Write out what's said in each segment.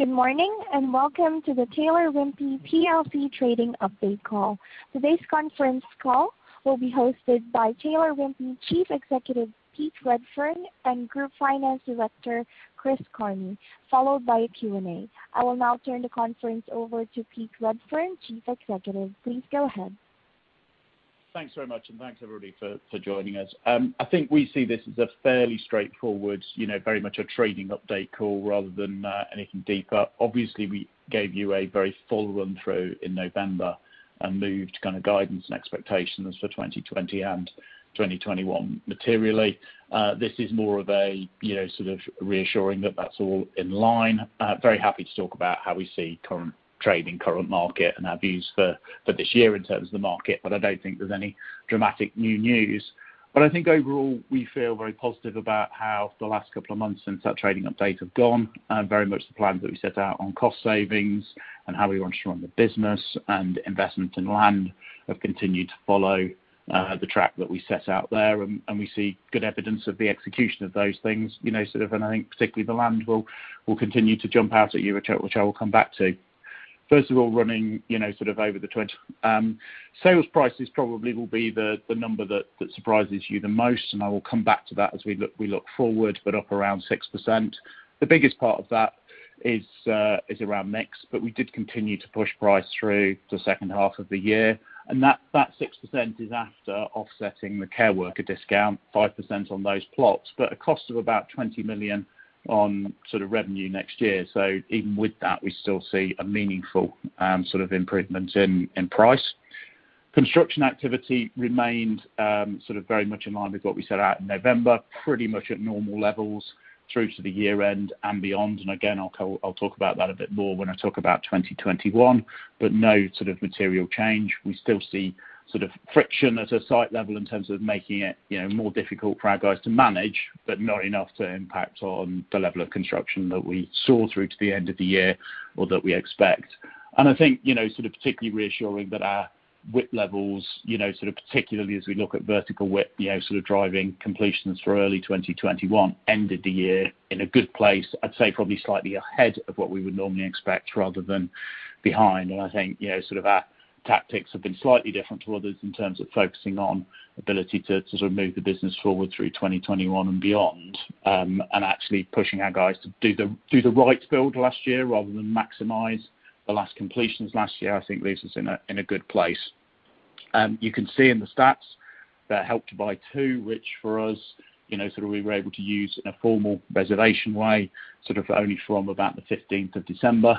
Good morning, and welcome to the Taylor Wimpey PLC Trading update call. Today's conference call will be hosted by Taylor Wimpey Chief Executive, Pete Redfern, and Group Finance Director, Chris Carney, followed by a Q&A. I will now turn the conference over to Pete Redfern, Chief Executive. Please go ahead. Thanks very much, and thanks everybody for joining us. I think we see this as a fairly straightforward, very much a trading update call rather than anything deeper. Obviously, we gave you a very full run through in November and moved guidance and expectations for 2020 and 2021 materially. This is more of reassuring that that's all in line. Very happy to talk about how we see current trade and current market and our views for this year in terms of the market. I don't think there's any dramatic new news. I think overall, we feel very positive about how the last couple of months since that trading update have gone, and very much the plans that we set out on cost savings and how we want to run the business and investment in land have continued to follow the track that we set out there, and we see good evidence of the execution of those things. I think particularly the land will continue to jump out at you, which I will come back to. First of all, running over Sales prices probably will be the number that surprises you the most, and I will come back to that as we look forward, up around 6%. The biggest part of that is around mix. We did continue to push price through the second half of the year, and that 6% is after offsetting the care worker discount, 5% on those plots, but a cost of about 20 million on revenue next year. Even with that, we still see a meaningful improvement in price. Construction activity remained very much in line with what we set out in November, pretty much at normal levels through to the year-end and beyond. Again, I'll talk about that a bit more when I talk about 2021. No material change. We still see friction at a site level in terms of making it more difficult for our guys to manage. Not enough to impact on the level of construction that we saw through to the end of the year or that we expect. I think particularly reassuring that our WIP levels, particularly as we look at vertical WIP, sort of driving completions for early 2021, ended the year in a good place, I'd say probably slightly ahead of what we would normally expect rather than behind. I think our tactics have been slightly different to others in terms of focusing on ability to move the business forward through 2021 and beyond, and actually pushing our guys to do the right build last year rather than maximize the last completions last year, I think leaves us in a good place. You can see in the stats that Help to Buy 2, which for us, we were able to use in a formal reservation way only from about the 15th of December,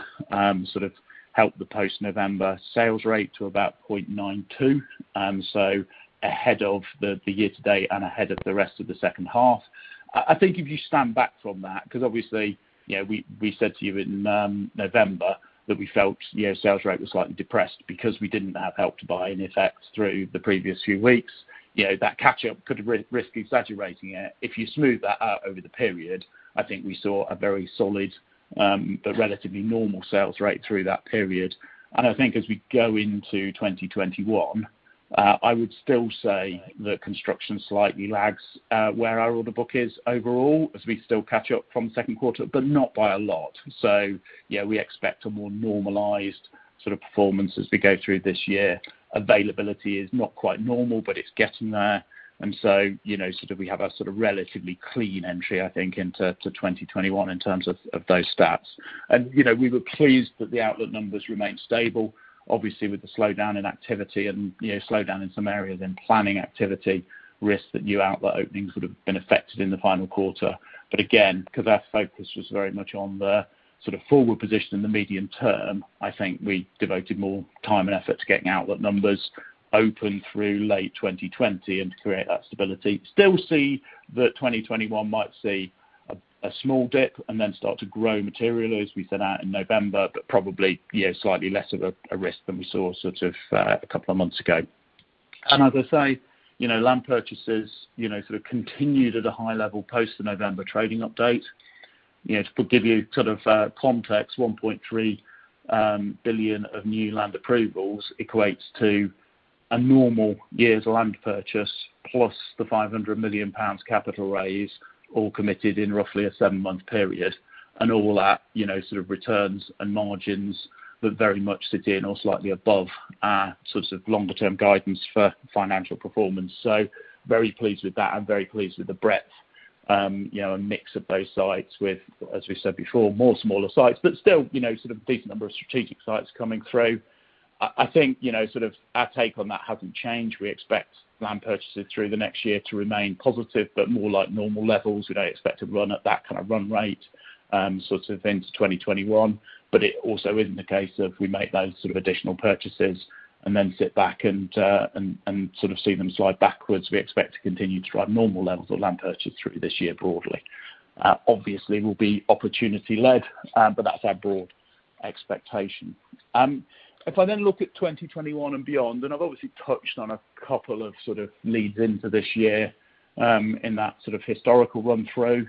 helped the post November sales rate to about 0.92. Ahead of the year to date and ahead of the rest of the second half. I think if you stand back from that, because obviously, we said to you in November that we felt year sales rate was slightly depressed because we didn't have Help to Buy in effect through the previous few weeks. That catch-up could risk exaggerating it. If you smooth that out over the period, I think we saw a very solid, but relatively normal sales rate through that period. I think as we go into 2021, I would still say that construction slightly lags where our order book is overall as we still catch up from second quarter, but not by a lot. Yeah, we expect a more normalized performance as we go through this year. Availability is not quite normal, but it's getting there. We have our relatively clean entry, I think, into 2021 in terms of those stats. We were pleased that the outlet numbers remained stable, obviously with the slowdown in activity and slowdown in some areas in planning activity risks that new outlet openings would have been affected in the final quarter. Again, because our focus was very much on the forward position in the medium term, I think we devoted more time and effort to getting outlet numbers open through late 2020 and to create that stability. Still see that 2021 might see a small dip and then start to grow materially, as we set out in November, but probably slightly less of a risk than we saw a couple of months ago. As I say, land purchases continued at a high level post the November trading update. To give you context, 1.3 billion of new land approvals equates to a normal year's land purchase plus the 500 million pounds capital raise all committed in roughly a seven month period and all that returns and margins that very much sit in or slightly above our longer term guidance for financial performance. Very pleased with that and very pleased with the breadth and mix of those sites with, as we said before, more smaller sites, but still decent number of strategic sites coming through. I think our take on that hasn't changed. We expect land purchases through the next year to remain positive, but more like normal levels. We don't expect to run at that kind of run rate into 2021. It also isn't the case of we make those additional purchases and then sit back and see them slide backwards. We expect to continue to drive normal levels of land purchase through this year broadly. Obviously will be opportunity led, but that's our broad expectation. If I then look at 2021 and beyond, and I've obviously touched on a couple of leads into this year in that historical run through.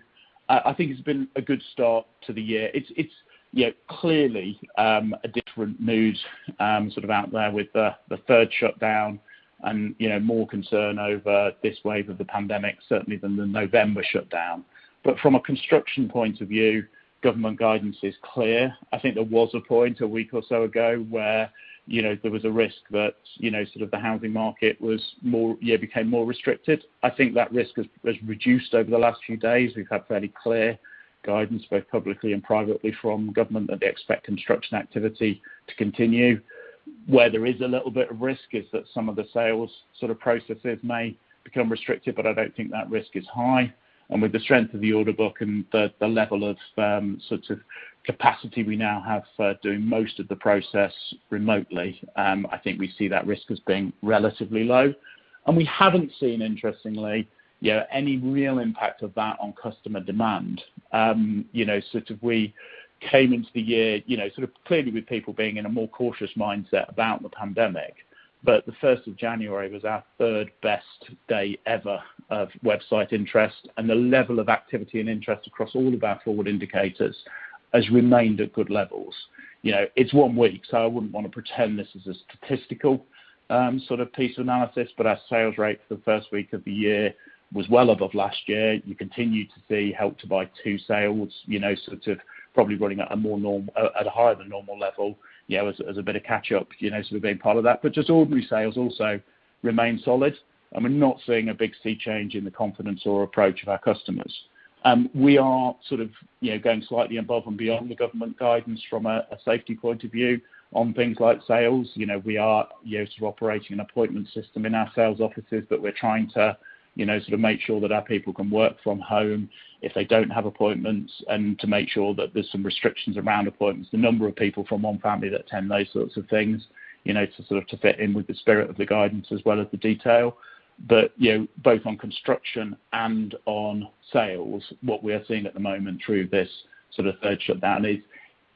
I think it's been a good start to the year. It's clearly a different mood out there with the third shutdown and more concern over this wave of the pandemic certainly than the November shutdown. From a construction point of view, government guidance is clear. I think there was a point a week or so ago where there was a risk that the housing market became more restricted. I think that risk has reduced over the last few days. We've had fairly clear guidance, both publicly and privately from government, that they expect construction activity to continue. Where there is a little bit of risk is that some of the sales processes may become restricted, but I don't think that risk is high. With the strength of the order book and the level of capacity we now have for doing most of the process remotely, I think we see that risk as being relatively low. We haven't seen, interestingly, any real impact of that on customer demand. We came into the year clearly with people being in a more cautious mindset about the pandemic. The 1st of January was our third-best day ever of website interest, and the level of activity and interest across all of our forward indicators has remained at good levels. It's one week. I wouldn't want to pretend this is a statistical piece of analysis, but our sales rate for the first week of the year was well above last year. You continue to see Help to Buy 2 sales probably running at a higher-than-normal level as a bit of catch-up, being part of that. Just ordinary sales also remain solid, and we're not seeing a big sea change in the confidence or approach of our customers. We are going slightly above and beyond the government guidance from a safety point of view on things like sales. We are used to operating an appointment system in our sales offices, but we're trying to make sure that our people can work from home if they don't have appointments and to make sure that there's some restrictions around appointments, the number of people from one family that attend, those sorts of things, to fit in with the spirit of the guidance as well as the detail. Both on construction and on sales, what we are seeing at the moment through this third shutdown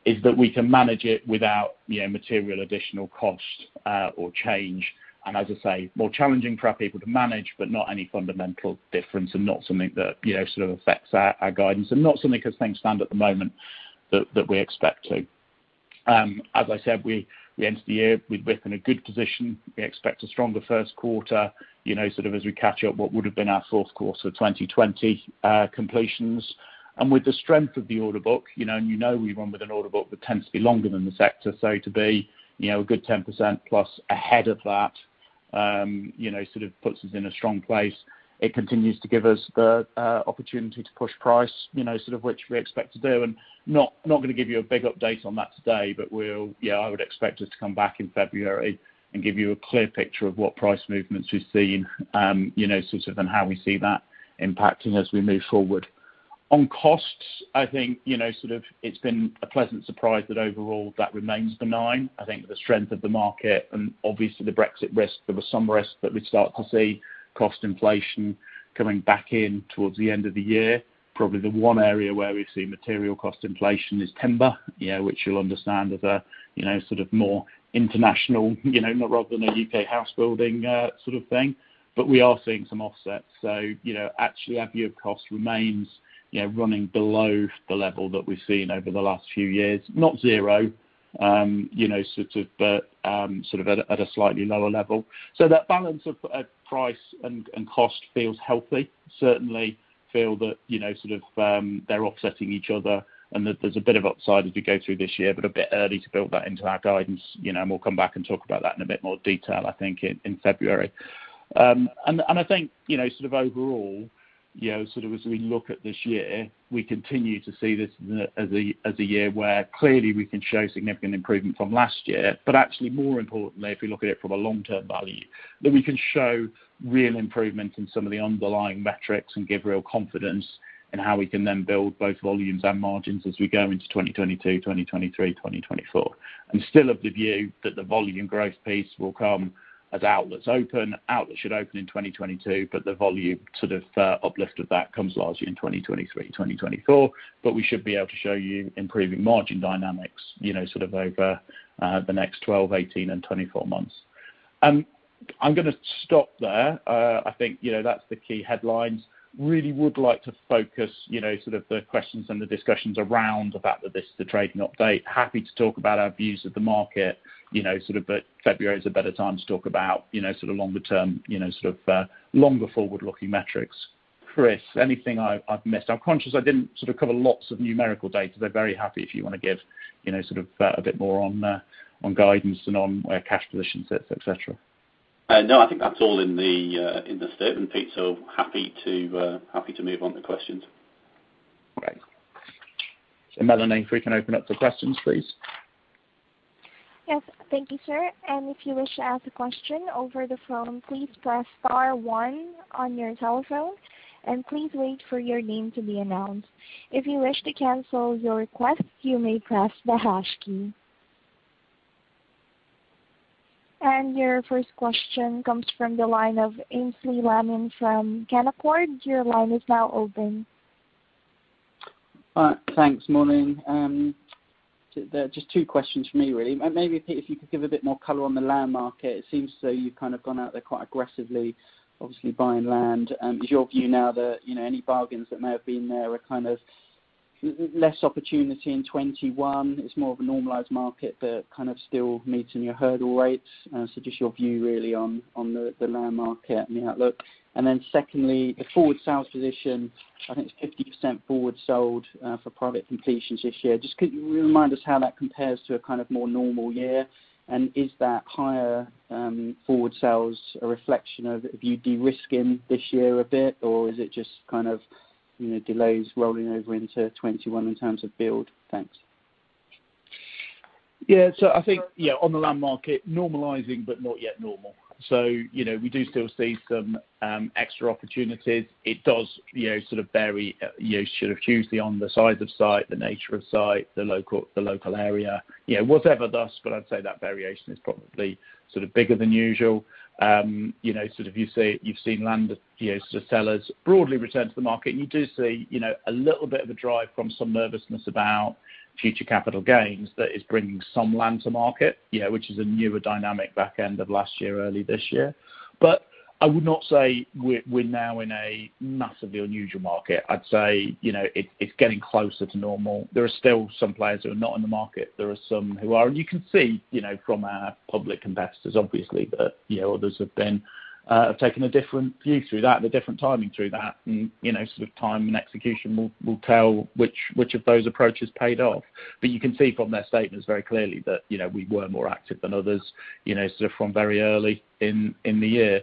is that we can manage it without material additional cost or change. As I say, more challenging for our people to manage, but not any fundamental difference and not something that affects our guidance and not something as things stand at the moment that we expect to. As I said, we entered the year with in a good position. We expect a stronger first quarter as we catch up what would have been our fourth quarter 2020 completions. With the strength of the order book, and you know we run with an order book that tends to be longer than the sector, so to be a good 10% plus ahead of that sort of puts us in a strong place. It continues to give us the opportunity to push price, which we expect to do. Not going to give you a big update on that today, but I would expect us to come back in February and give you a clear picture of what price movements we've seen and how we see that impacting as we move forward. On costs, I think it's been a pleasant surprise that overall that remains benign. I think the strength of the market and obviously the Brexit risk, there was some risk that we'd start to see cost inflation coming back in towards the end of the year. Probably the one area where we've seen material cost inflation is timber, which you'll understand is a more international rather than a U.K. house building sort of thing. We are seeing some offsets. Actually, our view of cost remains running below the level that we've seen over the last few years, not zero, but at a slightly lower level. That balance of price and cost feels healthy. Certainly feel that they're offsetting each other and that there's a bit of upside as we go through this year, but a bit early to build that into our guidance. We'll come back and talk about that in a bit more detail, I think in February. I think, overall, as we look at this year, we continue to see this as a year where clearly we can show significant improvement from last year. Actually more importantly, if we look at it from a long-term value, that we can show real improvement in some of the underlying metrics and give real confidence in how we can then build both volumes and margins as we go into 2022, 2023, 2024. I'm still of the view that the volume growth piece will come as outlets open. Outlets should open in 2022, but the volume uplift of that comes largely in 2023, 2024. We should be able to show you improving margin dynamics over the next 12, 18, and 24 months. I'm going to stop there. I think that's the key headlines. Really would like to focus the questions and the discussions around the fact that this is a trading update. Happy to talk about our views of the market. February is a better time to talk about longer forward-looking metrics. Chris, anything I've missed? I'm conscious I didn't cover lots of numerical data. Very happy if you want to give a bit more on guidance and on cash positions, et cetera. No, I think that's all in the statement, Pete. Happy to move on to questions. Okay. Melanie, if we can open up to questions, please. Yes. Thank you, Sir. If you wish to ask a question over the phone, please press star one on your telephone, and please wait for your name to be announced. If you wish to cancel your request, you may press the hash key. Your first question comes from the line of Aynsley Lammin from Canaccord. Your line is now open. All right. Thanks. Morning. Just two questions from me, really. Maybe, Pete, if you could give a bit more color on the land market. It seems as though you've gone out there quite aggressively, obviously buying land. Is your view now that any bargains that may have been there are Less opportunity in 2021. It's more of a normalized market, but still meeting your hurdle rates. Just your view really on the land market and the outlook. Secondly, the forward sales position, I think it's 50% forward sold for private completions this year. Just could you remind us how that compares to a more normal year? Is that higher forward sales a reflection of you de-risking this year a bit or is it just delays rolling over into 2021 in terms of build? Thanks. Yeah. I think on the land market, normalizing but not yet normal. We do still see some extra opportunities. It does sort of vary, you should have chosen the on the size of site, the nature of site, the local area. Whatever thus, I'd say that variation is probably bigger than usual. You sort of you've seen land sort of sellers broadly return to the market, you do see a little bit of a drive from some nervousness about future capital gains that is bringing some land to market. Which is a newer dynamic back end of last year, early this year. I would not say we're now in a massively unusual market. I'd say it's getting closer to normal. There are still some players who are not in the market. There are some who are. You can see from our public investors, obviously, that others have taken a different view through that, and a different timing through that. Sort of time and execution will tell which of those approaches paid off. You can see from their statements very clearly that we were more active than others sort of from very early in the year.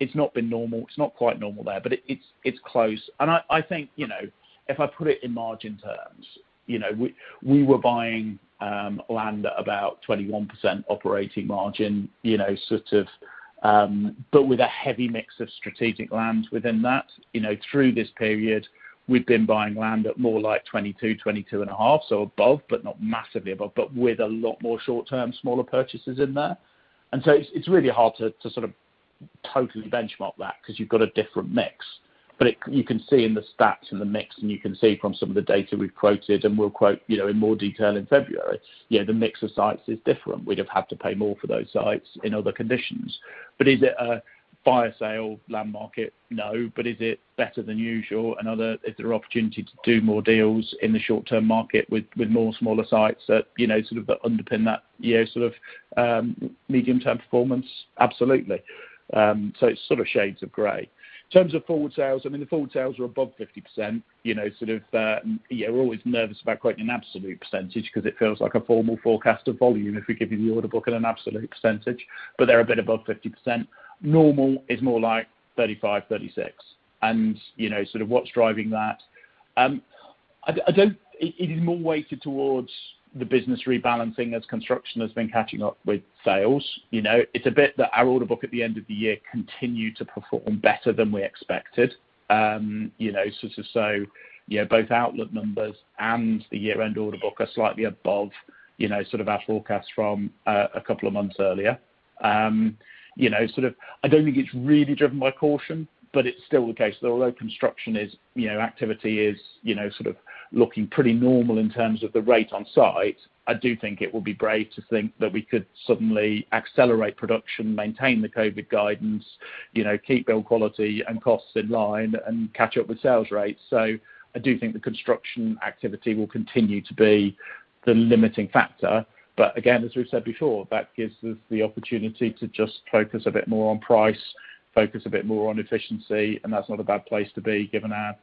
It's not been normal. It's not quite normal there. It's close. I think, if I put it in margin terms, we were buying land at about 21% operating margin, but with a heavy mix of strategic land within that. Through this period, we've been buying land at more like 22%, 22.5%, so above, but not massively above, but with a lot more short-term, smaller purchases in there. It's really hard to sort of totally benchmark that because you've got a different mix. You can see in the stats and the mix, and you can see from some of the data we've quoted, and we'll quote in more detail in February. The mix of sites is different. We'd have had to pay more for those sites in other conditions. Is it a buyer sale land market? No. Is it better than usual? Are there opportunity to do more deals in the short term market with more smaller sites that sort of underpin that year sort of medium-term performance? Absolutely. It's sort of shades of gray. In terms of forward sales, I mean, the forward sales are above 50%. We're always nervous about quoting an absolute percentage because it feels like a formal forecast of volume if we give you the order book at an absolute percentage, but they're a bit above 50%. Normal is more like 35%, 36%. Sort of what's driving that? It is more weighted towards the business rebalancing as construction has been catching up with sales. It's a bit that our order book at the end of the year continued to perform better than we expected. Both outlet numbers and the year-end order book are slightly above our forecast from a couple of months earlier. I don't think it's really driven by caution, but it's still the case that although construction activity is looking pretty normal in terms of the rate on site, I do think it would be brave to think that we could suddenly accelerate production, maintain the COVID guidance, keep build quality and costs in line and catch up with sales rates. I do think the construction activity will continue to be the limiting factor. Again, as we've said before, that gives us the opportunity to just focus a bit more on price, focus a bit more on efficiency, and that's not a bad place to be given our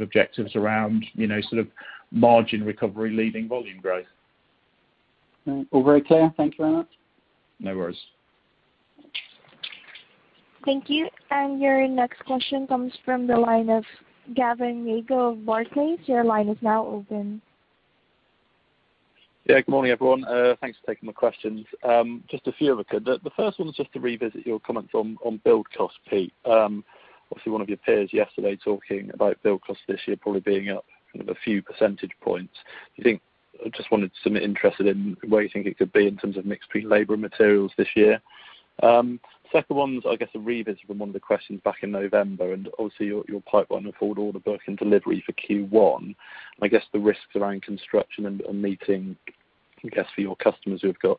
objectives around margin recovery leading volume growth. All very clear. Thank you very much. No worries. Thank you. Your next question comes from the line of Gavin Jago of Barclays. Your line is now open. Yeah, good morning, everyone. Thanks for taking my questions. Just a few of them. The first one is just to revisit your comments on build cost, Pete. One of your peers yesterday talking about build costs this year probably being up kind of a few percentage points. I just wanted some interest in where you think it could be in terms of mix between labor and materials this year. Second one is, I guess a revisit from one of the questions back in November, and obviously your pipeline of forward order book and delivery for Q1. I guess the risks around construction and meeting, I guess, for your customers who have got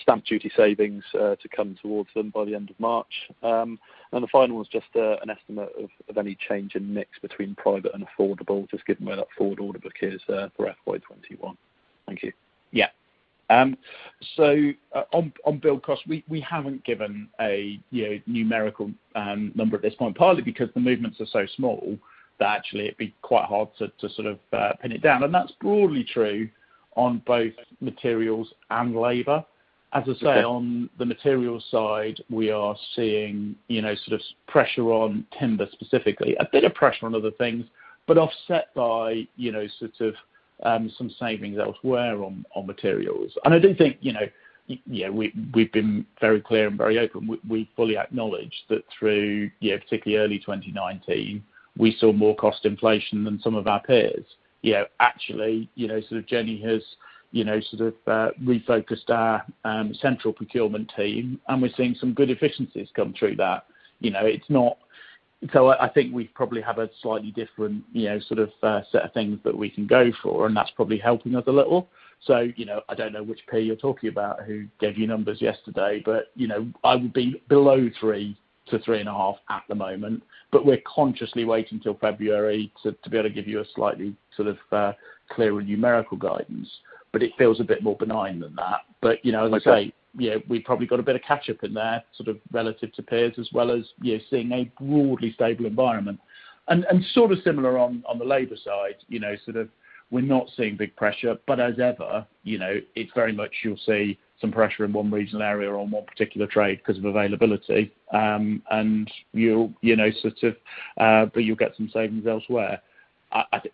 stamp duty savings to come towards them by the end of March. The final one is just an estimate of any change in mix between private and affordable, just given where that forward order book is for FY 2021. Thank you. Yeah. On build cost, we haven't given a numerical number at this point, partly because the movements are so small that actually it'd be quite hard to sort of pin it down. That's broadly true on both materials and labor. As I say, on the material side, we are seeing pressure on timber, specifically. A bit of pressure on other things, offset by sort of some savings elsewhere on materials. I do think we've been very clear and very open. We fully acknowledge that through, particularly early 2019, we saw more cost inflation than some of our peers. Actually, Jenny has refocused our central procurement team, we're seeing some good efficiencies come through that. I think we probably have a slightly different set of things that we can go for, that's probably helping us a little. I don't know which peer you're talking about who gave you numbers yesterday, but I would be below three to three and a half at the moment. We're consciously waiting till February to be able to give you a slightly clearer numerical guidance. It feels a bit more benign than that. Okay We probably got a bit of catch-up in there relative to peers, as well as seeing a broadly stable environment. Similar on the labor side. We're not seeing big pressure, but as ever, it's very much you'll see some pressure in one regional area or one particular trade because of availability. You'll get some savings elsewhere.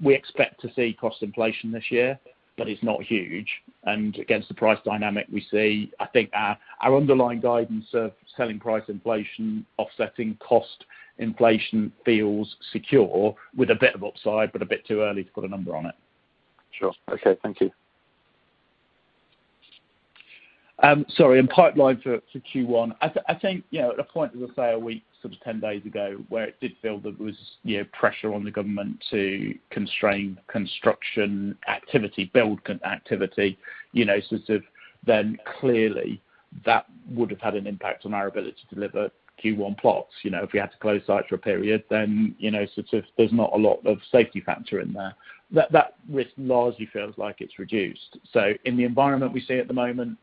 We expect to see cost inflation this year, but it's not huge. Against the price dynamic we see, I think our underlying guidance of selling price inflation offsetting cost inflation feels secure with a bit of upside, but a bit too early to put a number on it. Sure. Okay. Thank you. Sorry, pipeline for Q1. I think at a point as I say a week, sort of 10 days ago, where it did feel there was pressure on the government to constrain construction activity, build activity, clearly that would have had an impact on our ability to deliver Q1 plots. If we had to close sites for a period, there's not a lot of safety factor in there. That risk largely feels like it's reduced. In the environment we see at the moment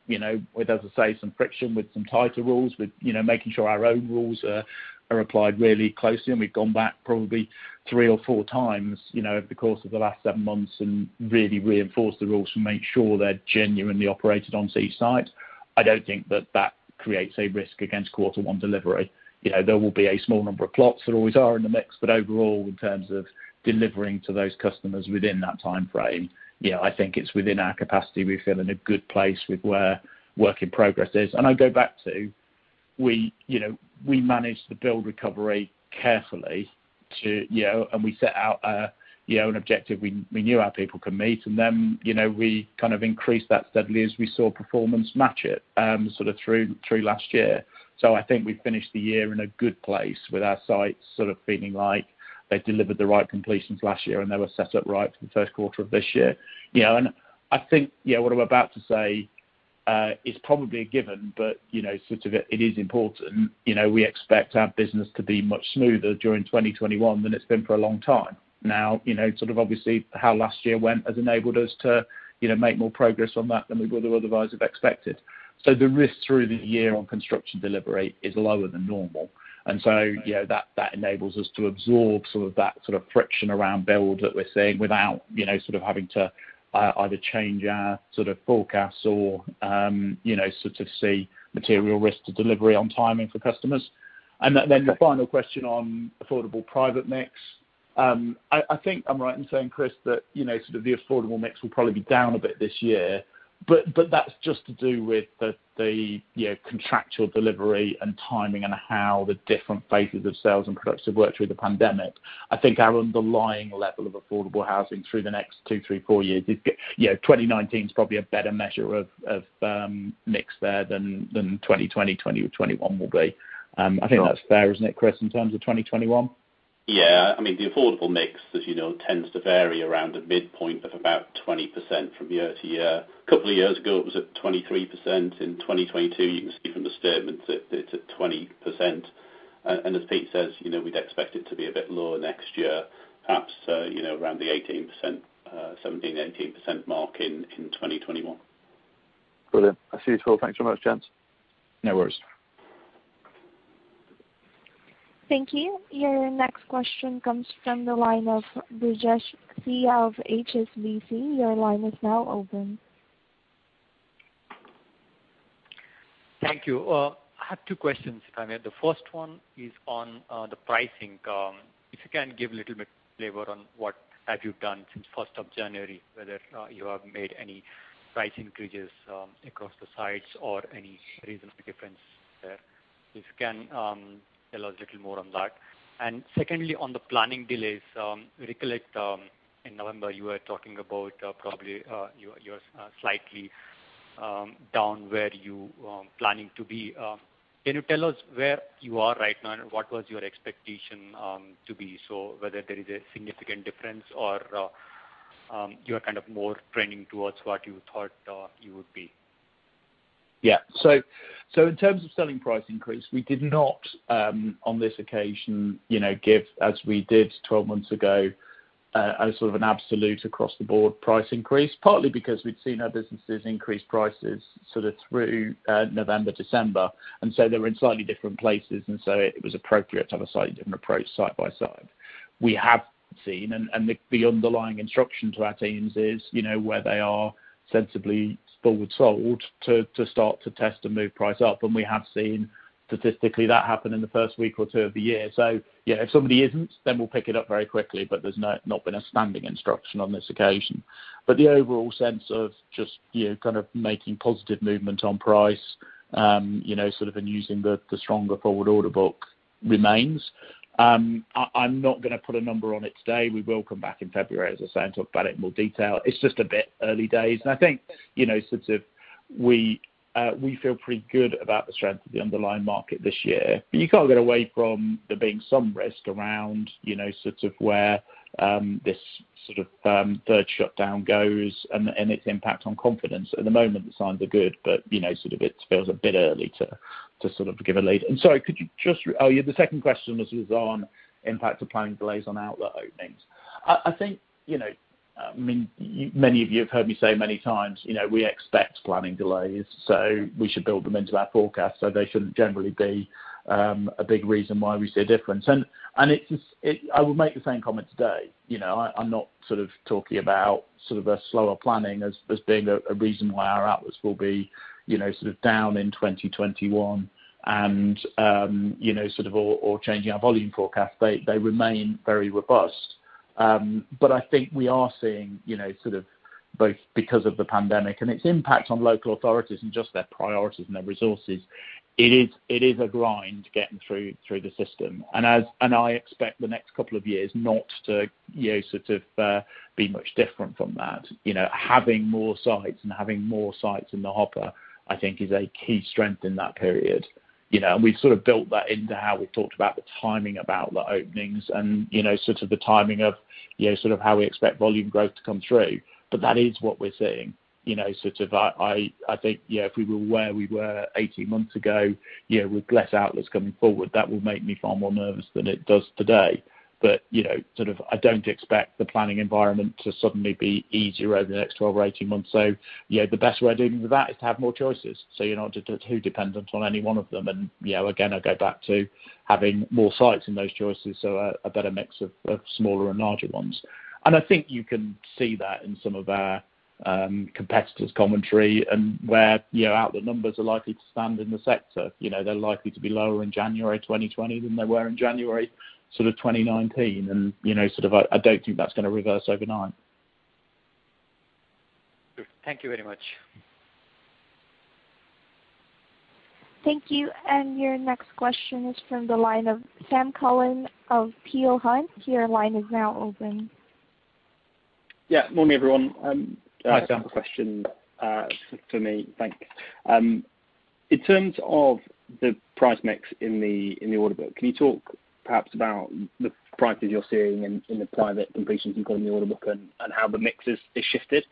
with, as I say, some friction with some tighter rules, with making sure our own rules are applied really closely, we've gone back probably three or four times over the course of the last seven months and really reinforced the rules to make sure they're genuinely operated on each site. I don't think that that creates a risk against quarter one delivery. There will be a small number of plots. There always are in the mix. Overall, in terms of delivering to those customers within that timeframe, I think it's within our capacity. We feel in a good place with where Work In Progress is. I go back to, we managed the build recovery carefully, and we set out an objective we knew our people could meet. We increased that steadily as we saw performance match it through last year. I think we finished the year in a good place with our sites feeling like they delivered the right completions last year, and they were set up right for the first quarter of this year. I think what I'm about to say is probably a given, but it is important. We expect our business to be much smoother during 2021 than it's been for a long time now. How last year went has enabled us to make more progress on that than we would otherwise have expected. The risk through the year on construction delivery is lower than normal. That enables us to absorb some of that friction around build that we're seeing without having to either change our forecasts or see material risk to delivery on timing for customers. Your final question on affordable private mix. I think I'm right in saying, Chris, that the affordable mix will probably be down a bit this year. That's just to do with the contractual delivery and timing and how the different phases of sales and production have worked through the pandemic. I think our underlying level of affordable housing through the next two, three, four years is. 2019 is probably a better measure of mix there than 2020 or 2021 will be. I think that's fair, isn't it, Chris? In terms of 2021? Yeah. The affordable mix, as you know tends to vary around a midpoint of about 20% from year to year. A couple of years ago, it was at 23%. In 2022, you can see from the statements that it's at 20%. As Pete says, we'd expect it to be a bit lower next year, perhaps around the 17%-18% mark in 2021. Brilliant. I see you, Thanks very much, gents. No worries. Thank you. Your next question comes from the line of Brijesh Siya of HSBC. Your line is now open. Thank you. I have two questions if I may. The first one is on the pricing. If you can give a little bit flavor on what have you done since 1st of January, whether you have made any price increases across the sites or any regional difference there. If you can tell us a little more on that. Secondly, on the planning delays, I recollect in November you were talking about probably you're slightly down where you are planning to be. Can you tell us where you are right now and what was your expectation to be? Whether there is a significant difference or you are more trending towards what you thought you would be. In terms of selling price increase, we did not, on this occasion, give as we did 12 months ago, as sort of an absolute across-the-board price increase, partly because we'd seen our businesses increase prices through November, December, and so they were in slightly different places, and so it was appropriate to have a slightly different approach site by site. We have seen, and the underlying instruction to our teams is where they are sensibly forward sold to start to test and move price up. We have seen statistically that happen in the first week or two of the year. If somebody isn't, then we'll pick it up very quickly, but there's not been a standing instruction on this occasion. The overall sense of just making positive movement on price and using the stronger forward order book remains. I'm not going to put a number on it today. We will come back in February, as I say, and talk about it in more detail. It's just a bit early days. I think, we feel pretty good about the strength of the underlying market this year. You can't get away from there being some risk around where this third shutdown goes and its impact on confidence. At the moment, the signs are good, but it feels a bit early to give a lead. Sorry, the second question was on impact of planning delays on outlet openings. I think many of you have heard me say many times, we expect planning delays, so we should build them into our forecast. They shouldn't generally be a big reason why we see a difference. I would make the same comment today. I'm not talking about a slower planning as being a reason why our outlets will be down in 2021 or changing our volume forecast. They remain very robust. I think we are seeing both because of the pandemic and its impact on local authorities and just their priorities and their resources, it is a grind getting through the system. I expect the next couple of years not to be much different from that. Having more sites and having more sites in the hopper, I think is a key strength in that period. We've built that into how we talked about the timing about the openings and the timing of how we expect volume growth to come through. That is what we're seeing. I think, yeah, if we were where we were 18 months ago with less outlets coming forward, that would make me far more nervous than it does today. I don't expect the planning environment to suddenly be easier over the next 12 or 18 months. The best way of dealing with that is to have more choices. You're not too dependent on any one of them. Again, I go back to having more sites in those choices, a better mix of smaller and larger ones. I think you can see that in some of our competitors' commentary and where outlet numbers are likely to stand in the sector. They're likely to be lower in January 2020 than they were in January 2019. I don't think that's going to reverse overnight. Thank you very much. Thank you. Your next question is from the line of Sam Cullen of Peel Hunt. Your line is now open. Yeah. Morning, everyone. Hi, Sam. I have a question for me. Thanks. In terms of the price mix in the order book, can you talk perhaps about the prices you're seeing in the private completions you've got in the order book and how the mix has shifted?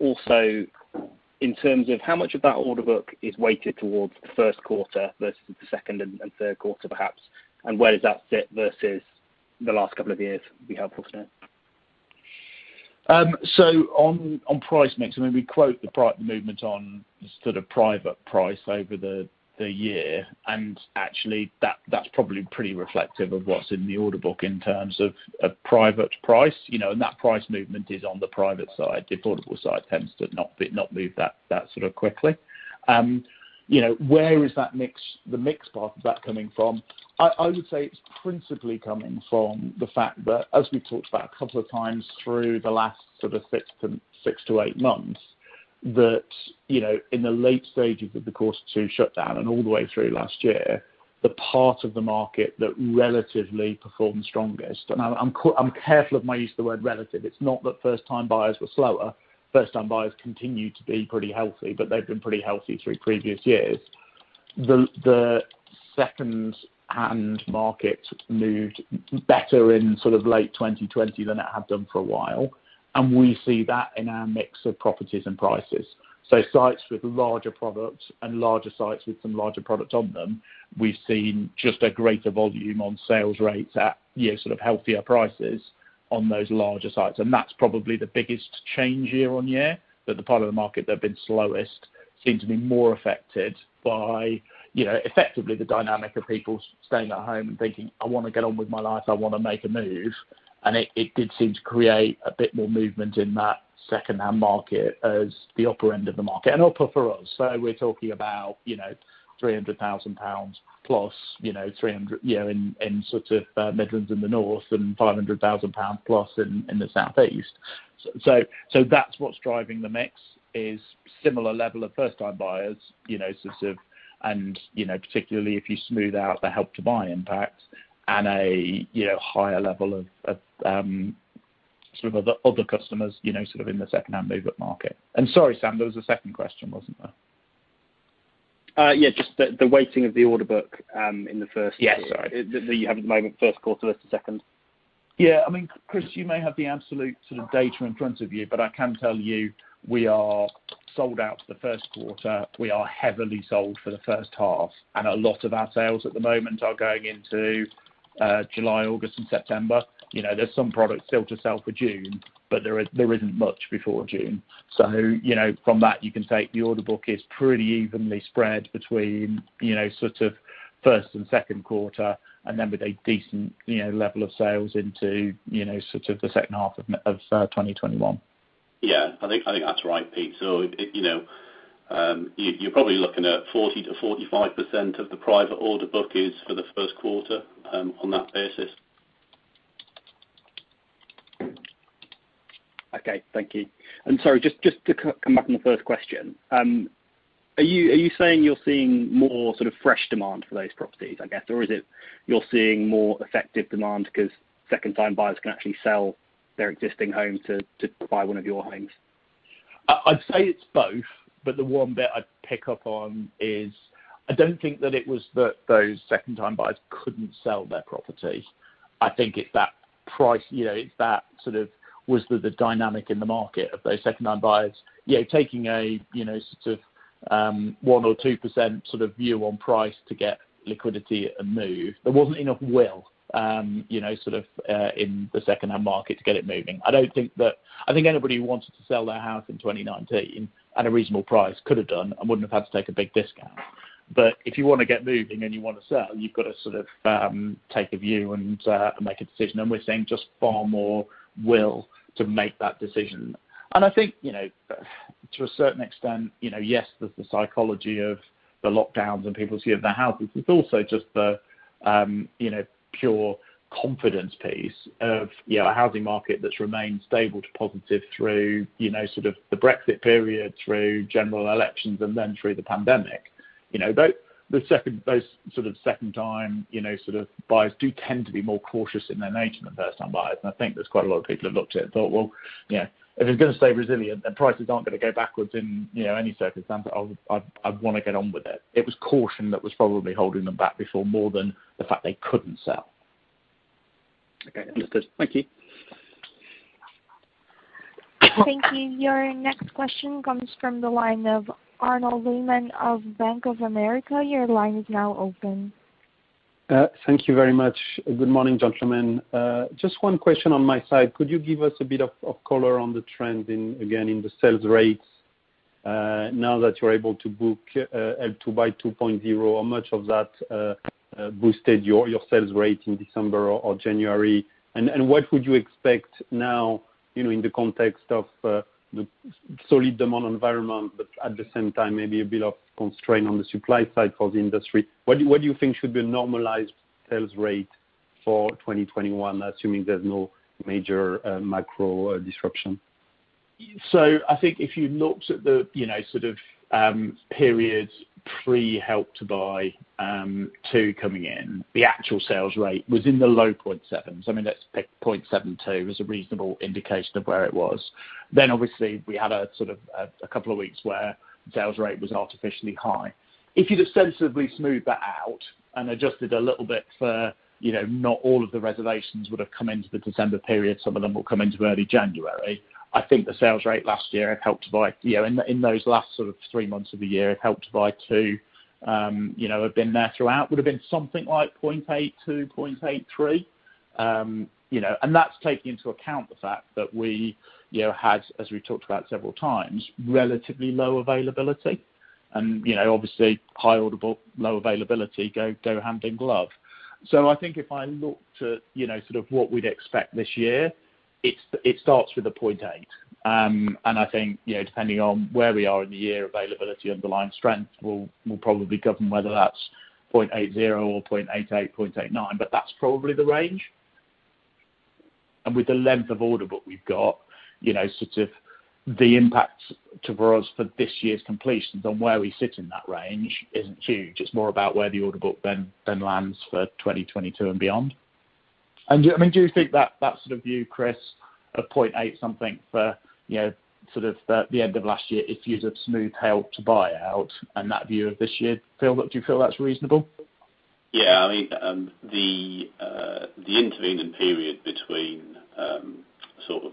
Also in terms of how much of that order book is weighted towards the first quarter versus the second and third quarter, perhaps, and where does that sit versus the last couple of years, would be helpful to know. On price mix, we quote the private movement on private price over the year, actually that's probably pretty reflective of what's in the order book in terms of a private price. That price movement is on the private side. The affordable side tends to not move that quickly. Where is the mix part of that coming from? I would say it's principally coming from the fact that, as we've talked about a couple of times through the last six to eight months, that in the late stages of the COVID shutdown and all the way through last year, the part of the market that relatively performed strongest, I'm careful of my use of the word relative. It's not that first time buyers were slower. First time buyers continued to be pretty healthy, they've been pretty healthy through previous years. The second-hand market moved better in late 2020 than it had done for a while, and we see that in our mix of properties and prices. Sites with larger product and larger sites with some larger product on them, we've seen just a greater volume on sales rates at healthier prices on those larger sites. That's probably the biggest change year-on-year, that the part of the market that have been slowest seem to be more affected by effectively the dynamic of people staying at home and thinking, "I want to get on with my life. I want to make a move." It did seem to create a bit more movement in that second-hand market as the upper end of the market, and upper for us. We're talking about 300,000+ pounds in the Midlands and the North and 500,000+ pounds in the Southeast. That's what's driving the mix, is similar level of first time buyers, and particularly if you smooth out the Help to Buy impact and a higher level of other customers in the second-hand movement market. Sorry, Sam, there was a second question, wasn't there? Yeah, just the weighting of the order book in the. Yes, sorry. That you have at the moment, first quarter versus second. Yeah. Chris, you may have the absolute data in front of you, but I can tell you we are sold out for the first quarter. We are heavily sold for the first half, and a lot of our sales at the moment are going into July, August, and September. There's some product still to sell for June, but there isn't much before June. From that you can take the order book is pretty evenly spread between first and second quarter, and then with a decent level of sales into the second half of 2021. Yeah, I think that's right, Pete. You're probably looking at 40%-45% of the private order book is for the first quarter on that basis. Okay. Thank you. Sorry, just to come back on the first question. Are you saying you're seeing more sort of fresh demand for those properties, I guess? Or is it you're seeing more effective demand because second-time buyers can actually sell their existing homes to buy one of your homes? I'd say it's both, but the one bit I'd pick up on is I don't think that it was that those second-time buyers couldn't sell their property. I think it's that was the dynamic in the market of those second-time buyers taking a sort of 1% or 2% view on price to get liquidity and move. There wasn't enough will in the secondhand market to get it moving. I think anybody who wanted to sell their house in 2019 at a reasonable price could have done and wouldn't have had to take a big discount. If you want to get moving and you want to sell, you've got to sort of take a view and make a decision. We're seeing just far more will to make that decision. I think, to a certain extent yes, there's the psychology of the lockdowns and people seeing their houses. It's also just the pure confidence piece of a housing market that's remained stable to positive through the Brexit period, through general elections, and then through the pandemic. Those sort of second-time buyers do tend to be more cautious in their nature than first-time buyers. I think there's quite a lot of people who looked at it and thought, "Well, if it's going to stay resilient, then prices aren't going to go backwards in any circumstance. I want to get on with it." It was caution that was probably holding them back before more than the fact they couldn't sell. Okay. That's good. Thank you. Thank you. Your next question comes from the line of Arnaud Lehmann of Bank of America. Your line is now open. Thank you very much. Good morning, gentlemen. Just one question on my side. Could you give us a bit of color on the trend again in the sales rates now that you're able to book Help to Buy 2.0, how much of that boosted your sales rate in December or January? What would you expect now in the context of the solid demand environment, but at the same time, maybe a bit of constraint on the supply side for the industry? What do you think should be a normalized sales rate for 2021, assuming there's no major macro disruption? I think if you looked at the periods pre-Help to Buy 2 coming in, the actual sales rate was in the low 0.7s. I mean, let's pick 0.72 as a reasonable indication of where it was. Obviously we had a couple of weeks where sales rate was artificially high. If you'd ostensibly smooth that out and adjusted a little bit for not all of the reservations would have come into the December period, some of them will come into early January. I think the sales rate last year in those last three months of the year, Help to Buy 2 have been there throughout, would've been something like 0.82, 0.83. That's taking into account the fact that we had, as we talked about several times, relatively low availability and obviously high order book, low availability go hand in glove. I think if I look to what we'd expect this year, it starts with a 0.8. I think depending on where we are in the year, availability, underlying strength will probably govern whether that's 0.80 or 0.88, 0.89. That's probably the range. With the length of order book we've got, the impact to us for this year's completions on where we sit in that range isn't huge. It's more about where the order book then lands for 2022 and beyond. Do you think that sort of view, Chris, a 0.8 something for the end of last year if you'd have smoothed Help to Buy out and that view of this year, do you feel that's reasonable? Yeah. The intervening period between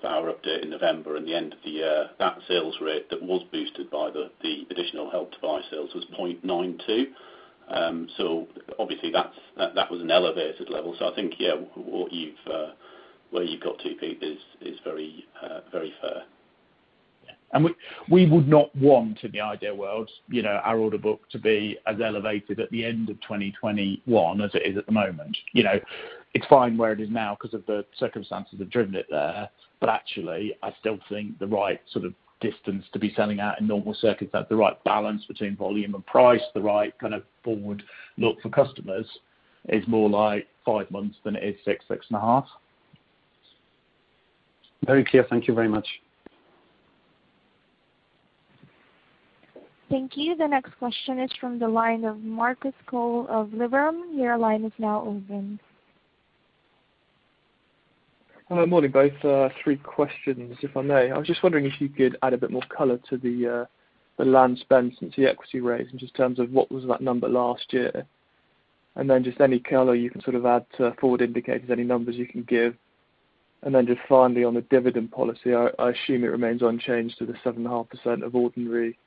our update in November and the end of the year, that sales rate that was boosted by the additional Help to Buy sales was 0.92. Obviously that was an elevated level. I think where you've got to, Pete, is very fair. We would not want, in the ideal world our order book to be as elevated at the end of 2021 as it is at the moment. It's fine where it is now because of the circumstances have driven it there. Actually, I still think the right sort of distance to be selling at in normal circumstance, the right balance between volume and price, the right kind of forward look for customers is more like five months than it is six and a half. Very clear. Thank you very much. Thank you. The next question is from the line of Marcus Cole of Liberum. Your line is now open. Morning, both. Three questions, if I may. I was just wondering if you could add a bit more color to the land spend since the equity raise, just in terms of what was that number last year? Just any color you can sort of add to forward indicators, any numbers you can give? Just finally on the dividend policy, I assume it remains unchanged to the 7.5% of ordinary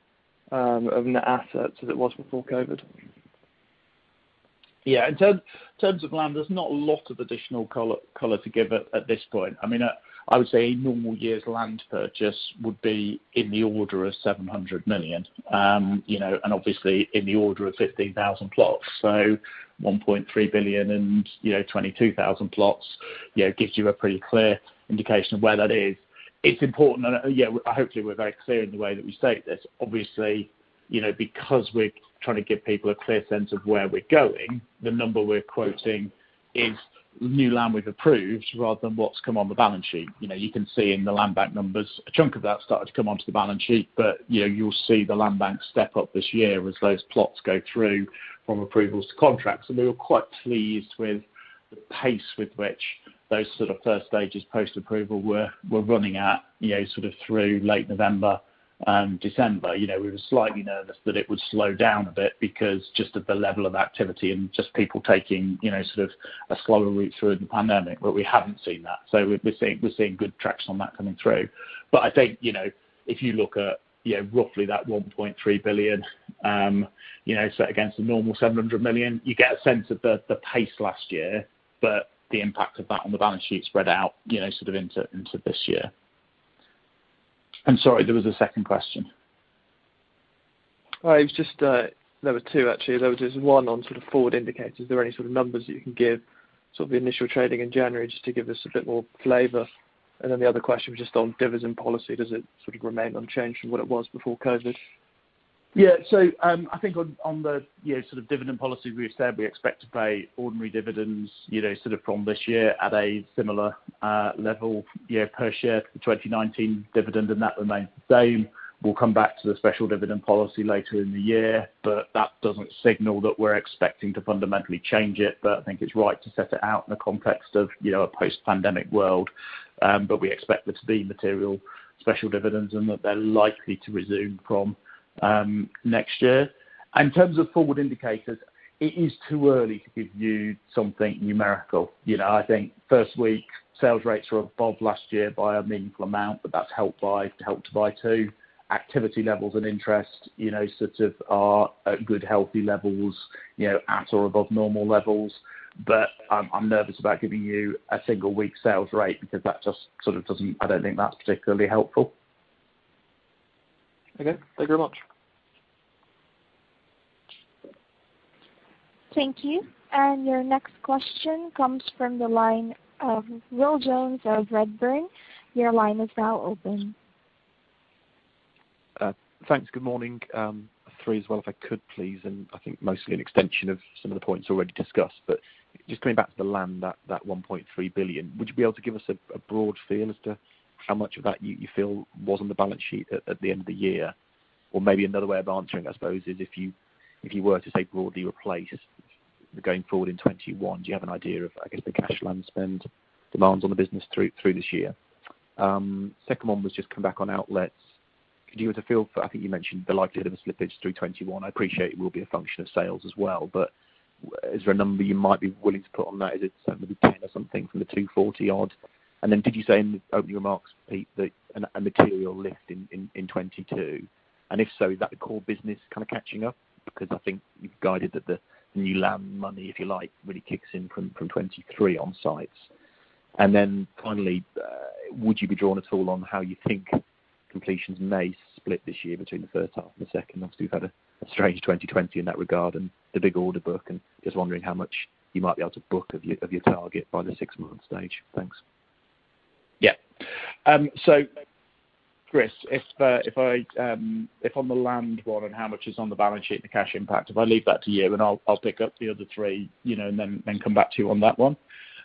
net assets as it was before COVID. Yeah. In terms of land, there's not a lot of additional color to give at this point. I would say normal year's land purchase would be in the order of 700 million. Obviously in the order of 15,000 plots. 1.3 billion and 22,000 plots gives you a pretty clear indication of where that is. It's important, and hopefully we're very clear in the way that we state this. Obviously, because we're trying to give people a clear sense of where we're going, the number we're quoting is new land we've approved rather than what's come on the balance sheet. You can see in the landbank numbers, a chunk of that started to come onto the balance sheet. You'll see the landbank step up this year as those plots go through from approvals to contracts. We were quite pleased with the pace with which those sort of first stages post-approval were running at through late November and December. We were slightly nervous that it would slow down a bit because just at the level of activity and just people taking a slower route through the pandemic, but we haven't seen that. We're seeing good traction on that coming through. I think, if you look at roughly that 1.3 billion set against the normal 700 million, you get a sense of the pace last year, but the impact of that on the balance sheet spread out into this year. Sorry, there was a second question. There were two, actually. There was just one on forward indicators. Are there any sort of numbers you can give, the initial trading in January, just to give us a bit more flavor? The other question was just on dividend policy. Does it remain unchanged from what it was before COVID? I think on the dividend policy, we've said we expect to pay ordinary dividends from this year at a similar level per share to the 2019 dividend, and that remains the same. We'll come back to the special dividend policy later in the year, but that doesn't signal that we're expecting to fundamentally change it. I think it's right to set it out in the context of a post-pandemic world. We expect there to be material special dividends, and that they're likely to resume from next year. In terms of forward indicators, it is too early to give you something numerical. I think first week sales rates were above last year by a meaningful amount, but that's helped by Help to Buy too. Activity levels and interest are at good, healthy levels, at or above normal levels. I'm nervous about giving you a single week sales rate because I don't think that's particularly helpful. Okay. Thank you very much. Thank you. Your next question comes from the line of Will Jones of Redburn. Your line is now open. Thanks. Good morning. Three as well, if I could, please. I think mostly an extension of some of the points already discussed. Just coming back to the land, that 1.3 billion, would you be able to give us a broad feel as to how much of that you feel was on the balance sheet at the end of the year? Maybe another way of answering, I suppose, is if you were to say broadly replace going forward in 2021, do you have an idea of, I guess, the cash land spend demands on the business through this year? Second one was just come back on outlets. Could you give us a feel for, I think you mentioned the likelihood of a slippage through 2021. I appreciate it will be a function of sales as well, is there a number you might be willing to put on that? Is it certainly 10 or something from the 240 odd? Did you say in opening remarks, Pete, that a material lift in 2022? If so, is that the core business kind of catching up? I think you've guided that the new land money, if you like, really kicks in from 2023 on sites. Finally, would you be drawn at all on how you think completions may split this year between the first half and the second half? Obviously, we've had a strange 2020 in that regard and the big order book, and just wondering how much you might be able to book of your target by the six month stage. Thanks. Yeah. Chris, if on the land one and how much is on the balance sheet, the cash impact, if I leave that to you, and I'll pick up the other three, and then come back to you on that one.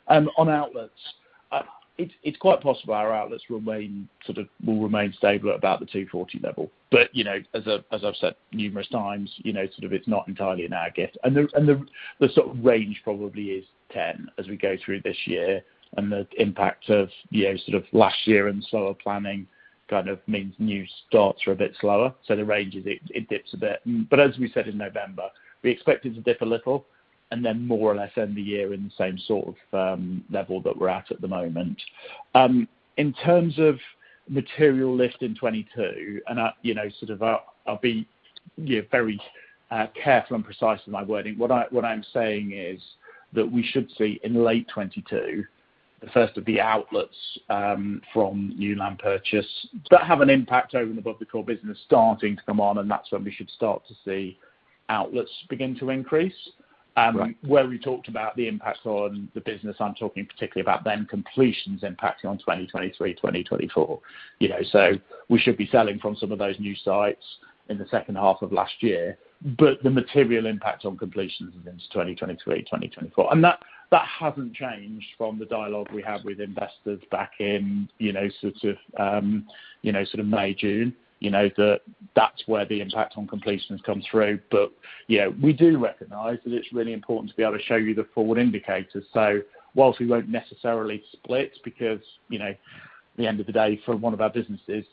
On outlets, it's quite possible our outlets will remain stable at about the 240 level. As I've said numerous times, it's not entirely in our gift. The range probably is 10 as we go through this year, and the impact of last year and slower planning kind of means new starts are a bit slower. The range, it dips a bit. As we said in November, we expect it to dip a little and then more or less end the year in the same sort of level that we're at at the moment. In terms of material lift in 2022, and I'll be very careful and precise with my wording. What I'm saying is that we should see in late 2022 the first of the outlets from new land purchase that have an impact over and above the core business starting to come on, and that's when we should start to see outlets begin to increase. Right. Where we talked about the impact on the business, I'm talking particularly about then completions impacting on 2023, 2024. We should be selling from some of those new sites in the second half of last year, but the material impact on completions is in 2023, 2024. That hasn't changed from the dialogue we had with investors back in May, June, that that's where the impact on completions come through. We do recognize that it's really important to be able to show you the forward indicators. Whilst we won't necessarily split, because the end of the day, from one of our businesses,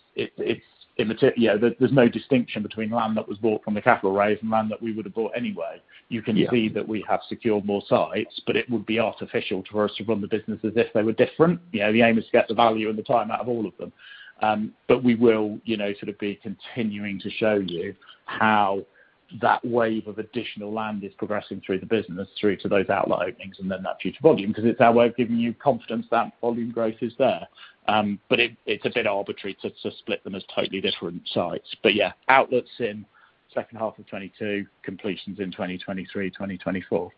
there's no distinction between land that was bought from the capital raise and land that we would have bought anyway. Yeah. You can see that we have secured more sites, but it would be artificial to us to run the business as if they were different. The aim is to get the value and the time out of all of them. We will be continuing to show you how that wave of additional land is progressing through the business, through to those outlet openings and then that future volume, because it's our way of giving you confidence that volume growth is there. It's a bit arbitrary to split them as totally different sites. Yeah, outlets in second half of 2022, completions in 2023, 2024.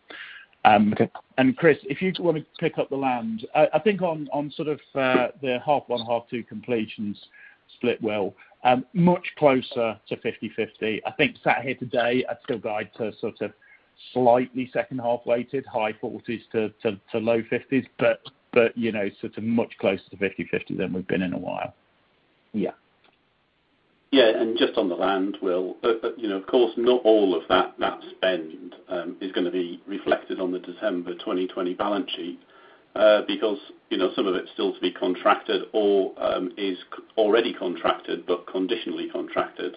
Okay. Chris, if you want to pick up the land. I think on the half one, half two completions split well. Much closer to 50/50. I think sat here today, I'd still guide to slightly second half weighted high 40s to low 50s, but much closer to 50/50 than we've been in a while. Yeah. Yeah. Just on the land, Will. Of course, not all of that spend is going to be reflected on the December 2020 balance sheet, because some of it is still to be contracted or is already contracted but conditionally contracted.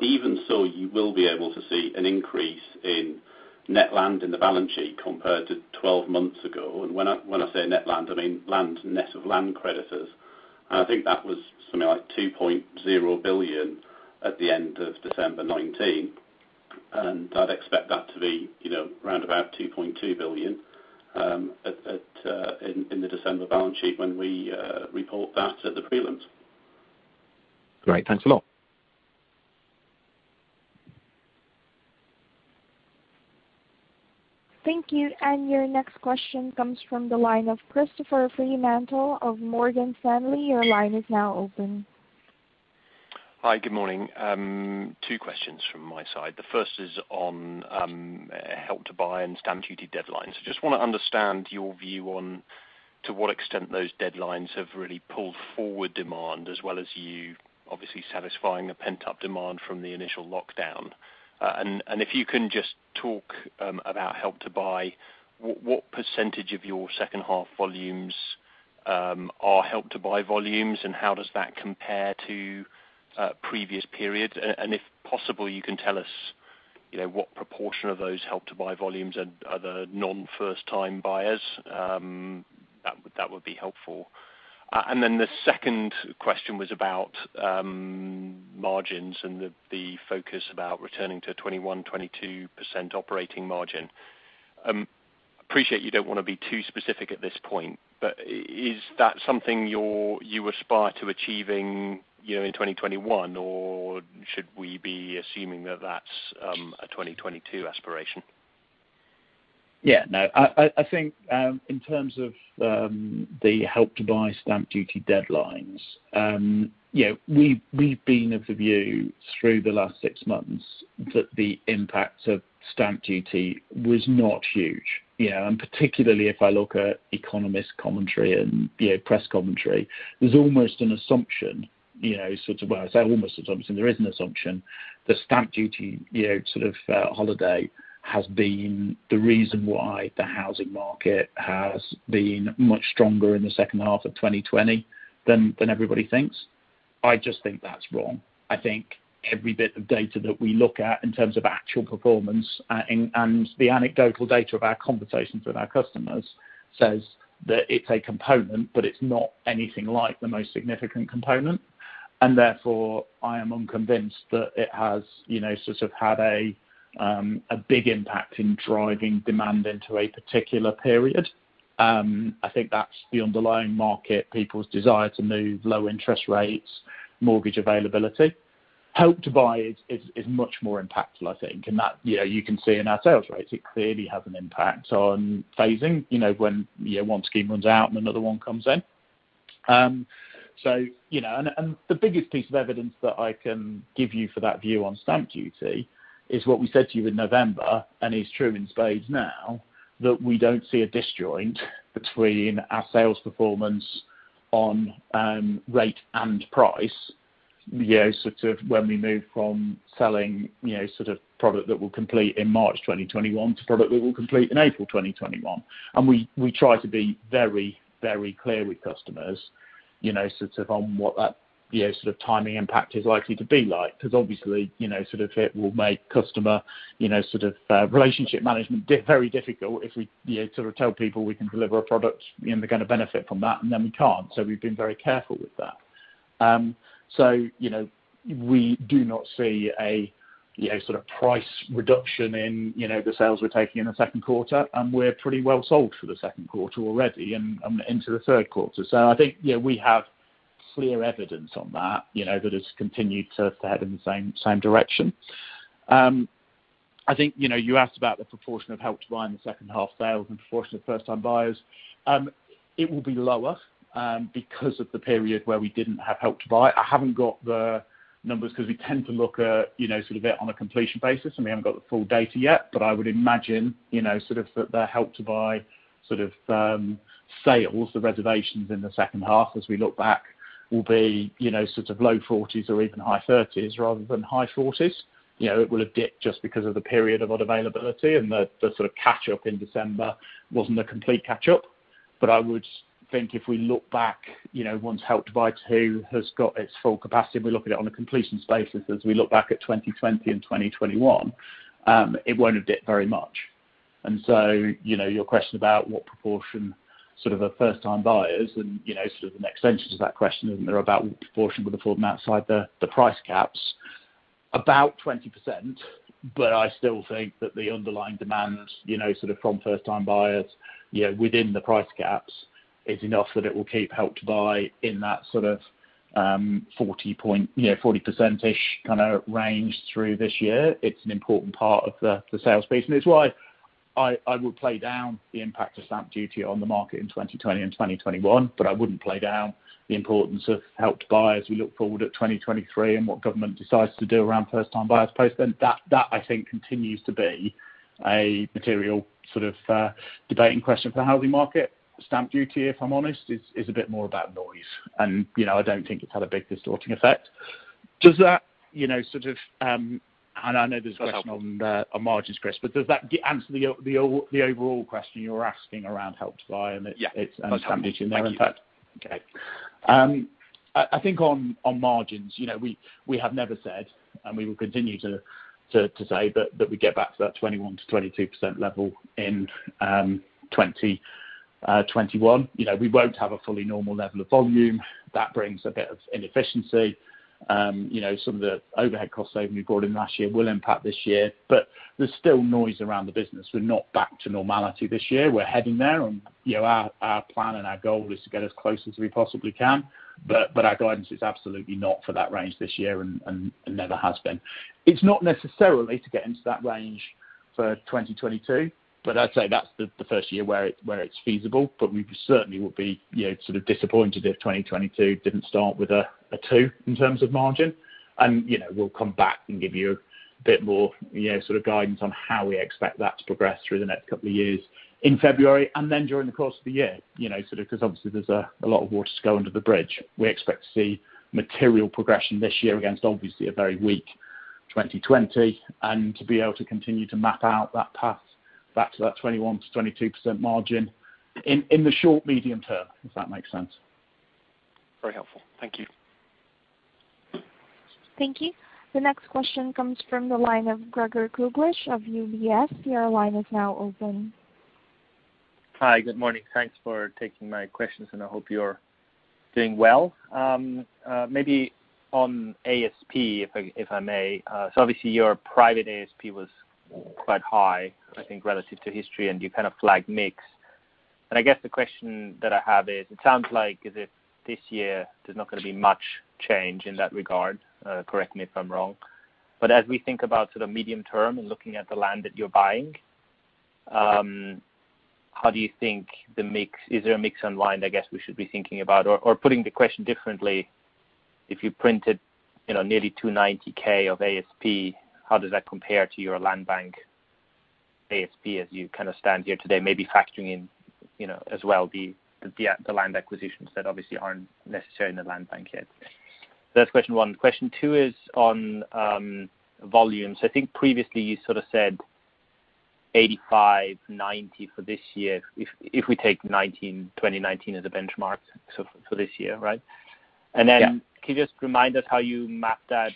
Even so, you will be able to see an increase in net land in the balance sheet compared to 12 months ago. When I say net land, I mean land net of land creditors. I think that was something like 2.0 billion at the end of December 2019. I'd expect that to be around about 2.2 billion in the December balance sheet when we report that at the prelim. Great. Thanks a lot. Thank you. Your next question comes from the line of Christopher Fremantle of Morgan Stanley. Your line is now open. Hi, good morning. Two questions from my side. The first is on Help to Buy and stamp duty deadlines. I just want to understand your view on to what extent those deadlines have really pulled forward demand, as well as you obviously satisfying a pent-up demand from the initial lockdown. If you can just talk about Help to Buy, what percentage of your second half volumes are Help to Buy volumes, and how does that compare to previous periods? If possible, you can tell us what proportion of those Help to Buy volumes are the non-first time buyers. That would be helpful. The second question was about margins and the focus about returning to 21%-22% operating margin. Appreciate you don't want to be too specific at this point. Is that something you aspire to achieving in 2021, or should we be assuming that that's a 2022 aspiration? Yeah, no. I think in terms of the Help to Buy stamp duty deadlines, we've been of the view through the last six months that the impact of stamp duty was not huge. Particularly if I look at economist commentary and press commentary, there's almost an assumption, well, I say almost an assumption, there is an assumption that stamp duty holiday has been the reason why the housing market has been much stronger in the second half of 2020 than everybody thinks. I just think that's wrong. I think every bit of data that we look at in terms of actual performance and the anecdotal data of our conversations with our customers says that it's a component, but it's not anything like the most significant component. Therefore, I am unconvinced that it has had a big impact in driving demand into a particular period. I think that's the underlying market, people's desire to move, low interest rates, mortgage availability. Help to Buy is much more impactful, I think, in that you can see in our sales rates, it clearly has an impact on phasing, when one scheme runs out and another one comes in. The biggest piece of evidence that I can give you for that view on stamp duty is what we said to you in November, and is true in spades now, that we don't see a disjoint between our sales performance on rate and price. When we move from selling product that we'll complete in March 2021 to product that we'll complete in April 2021. We try to be very clear with customers on what that timing impact is likely to be like, because obviously, it will make customer relationship management very difficult if we tell people we can deliver a product and they're going to benefit from that and then we can't. We've been very careful with that. We do not see a price reduction in the sales we're taking in the second quarter, and we're pretty well sold for the second quarter already and into the third quarter. I think we have clear evidence on that it's continued to head in the same direction. I think you asked about the proportion of Help to Buy in the second half sales and proportion of first time buyers. It will be lower because of the period where we didn't have Help to Buy. I haven't got the numbers because we tend to look at it on a completion basis, and we haven't got the full data yet. I would imagine that the Help to Buy sales, the reservations in the second half as we look back will be low 40s or even high 30s rather than high 40s. It will have dipped just because of the period of unavailability and the catch up in December wasn't a complete catch up. I would think if we look back, once Help to Buy 2 has got its full capacity, and we look at it on a completion basis as we look back at 2020 and 2021, it won't have dipped very much. Your question about what proportion of first time buyers and the extension to that question, and they're about proportion with affording outside the price caps, about 20%. I still think that the underlying demand from first time buyers within the price caps is enough that it will keep Help to Buy in that sort of 40% range through this year. It's an important part of the sales piece, and it's why I would play down the impact of stamp duty on the market in 2020 and 2021, but I wouldn't play down the importance of Help to Buy. We look forward at 2023 and what government decides to do around first time buyers post then. That I think continues to be a material debating question for the housing market. Stamp duty, if I'm honest, is a bit more about noise and I don't think it's had a big distorting effect. I know there's a question on margins, Chris, but does that answer the overall question you're asking around Help to Buy? Yeah Stamp duty impact? Okay. I think on margins, we have never said, and we will continue to say that we get back to that 21%-22% level in 2021. We won't have a fully normal level of volume. That brings a bit of inefficiency. Some of the overhead cost saving we brought in last year will impact this year, but there's still noise around the business. We're not back to normality this year. We're heading there and our plan and our goal is to get as close as we possibly can. Our guidance is absolutely not for that range this year and never has been. It's not necessarily to get into that range for 2022, but I'd say that's the first year where it's feasible, but we certainly will be disappointed if 2022 didn't start with a two in terms of margin. We'll come back and give you a bit more guidance on how we expect that to progress through the next couple of years in February and then during the course of the year, because obviously there's a lot of water to go under the bridge. We expect to see material progression this year against obviously a very weak 2020, and to be able to continue to map out that path back to that 21% to 22% margin in the short, medium term, if that makes sense. Very helpful. Thank you. Thank you. The next question comes from the line of Gregor Kuglitsch of UBS. Your line is now open. Hi. Good morning. Thanks for taking my questions. I hope you're doing well. Maybe on ASP, if I may. Obviously your private ASP was quite high, I think, relative to history, and you kind of flagged mix. I guess the question that I have is, it sounds like as if this year there's not going to be much change in that regard. Correct me if I'm wrong, but as we think about sort of medium term and looking at the land that you're buying, is there a mix online I guess we should be thinking about? Or putting the question differently, if you printed nearly 290,000 of ASP, how does that compare to your land bank ASP as you kind of stand here today, maybe factoring in as well the land acquisitions that obviously aren't necessarily in the land bank yet? That's question one. Question two is on volumes. I think previously you sort of said 85, 90 for this year, if we take 2019 as a benchmark for this year, right? Yeah. Then can you just remind us how you map that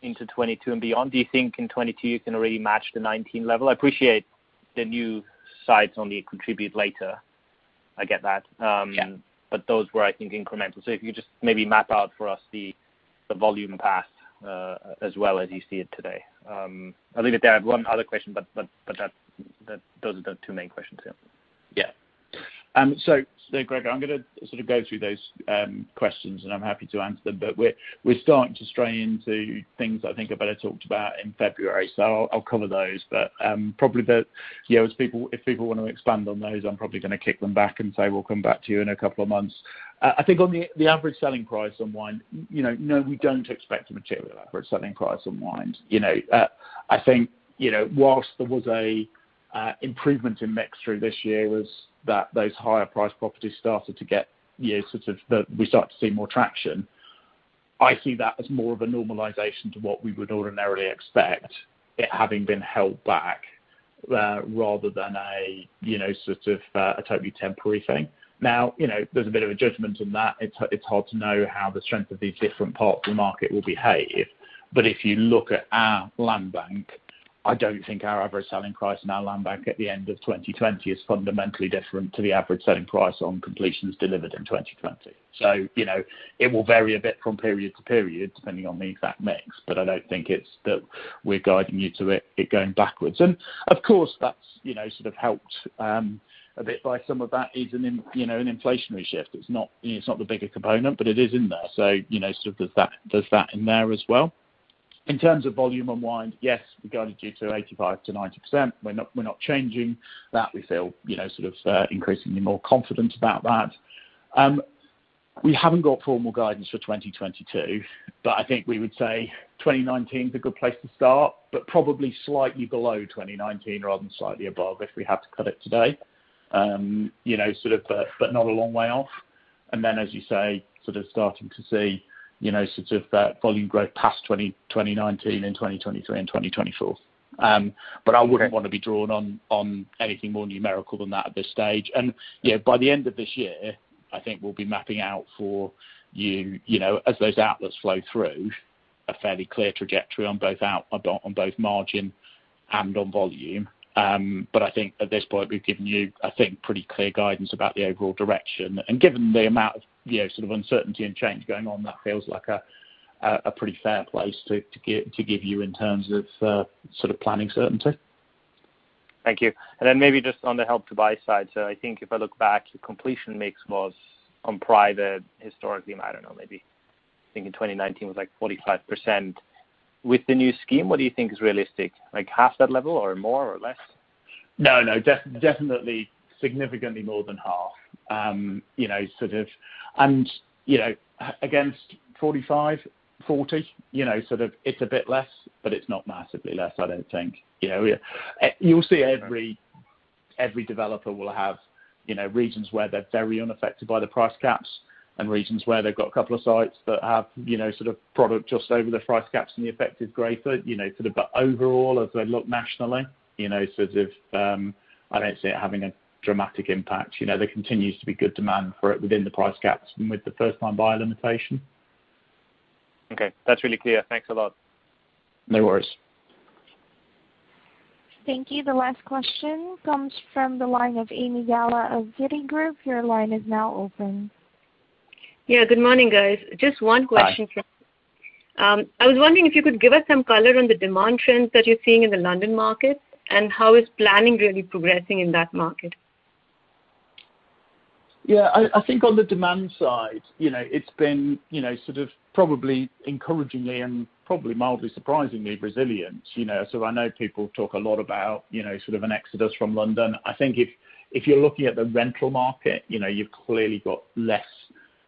into 2022 and beyond? Do you think in 2022 you can already match the 2019 level? I appreciate the new sites only contribute later. I get that. Yeah. Those were, I think, incremental. If you could just maybe map out for us the volume path as well as you see it today. I will leave it there. I have one other question, those are the two main questions, yeah. Yeah. Gregor, I'm going to sort of go through those questions and I'm happy to answer them, but we're starting to stray into things I think I've better talked about in February. I'll cover those. Probably if people want to expand on those, I'm probably going to kick them back and say, "We'll come back to you in a couple of months." I think on the average selling price unwind, no, we don't expect a material average selling price unwind. I think whilst there was a improvement in mix through this year was that those higher priced properties We start to see more traction. I see that as more of a normalization to what we would ordinarily expect it having been held back rather than a totally temporary thing. Now, there's a bit of a judgment in that. It's hard to know how the strength of these different parts of the market will behave. If you look at our land bank, I don't think our average selling price in our land bank at the end of 2020 is fundamentally different to the average selling price on completions delivered in 2020. It will vary a bit from period to period, depending on the exact mix. I don't think it's that we're guiding you to it going backwards. Of course that's sort of helped a bit by some of that is an inflationary shift. It's not the bigger component, but it is in there. Sort of there's that in there as well. In terms of volume unwind, yes, we guided you to 85%-90%. We're not changing that. We feel increasingly more confident about that. We haven't got formal guidance for 2022, but I think we would say 2019 is a good place to start, but probably slightly below 2019 rather than slightly above if we had to cut it today. Not a long way off. Then as you say, sort of starting to see volume growth past 2019 and 2023 and 2024. I wouldn't want to be drawn on anything more numerical than that at this stage. By the end of this year, I think we'll be mapping out for you as those outlets flow through a fairly clear trajectory on both margin and on volume. I think at this point we've given you, I think, pretty clear guidance about the overall direction. Given the amount of uncertainty and change going on, that feels like a pretty fair place to give you in terms of planning certainty. Thank you. Maybe just on the Help to Buy side. I think if I look back, your completion mix was on private historically, I don't know, maybe I think in 2019 was like 45%. With the new scheme, what do you think is realistic? Like half that level or more or less? No, definitely significantly more than half. Against 45%, 40%. It's a bit less, but it's not massively less, I don't think. You'll see every developer will have regions where they're very unaffected by the price caps and regions where they've got a couple of sites that have product just over the price caps and the effect is greater. Overall, as I look nationally, I don't see it having a dramatic impact. There continues to be good demand for it within the price caps and with the first time buyer limitation. Okay. That's really clear. Thanks a lot. No worries. Thank you. The last question comes from the line of Ami Galla of Citigroup. Your line is now open. Yeah, good morning, guys. Just one question for you. Hi. I was wondering if you could give us some color on the demand trends that you're seeing in the London market and how is planning really progressing in that market? Yeah, I think on the demand side, it's been probably encouragingly and probably mildly surprisingly resilient. I know people talk a lot about an exodus from London. I think if you're looking at the rental market, you've clearly got less